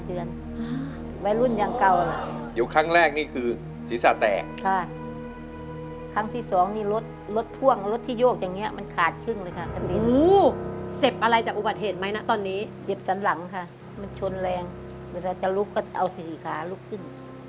เวลาจะลุกก็เอาสถิตย์ค้าลุกขึ้น